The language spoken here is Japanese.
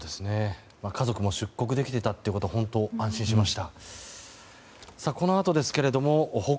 家族も出国できていたのは本当に安心しました。